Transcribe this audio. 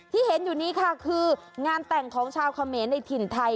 ที่เห็นอยู่นี้ค่ะคืองานแต่งของชาวเขมรในถิ่นไทย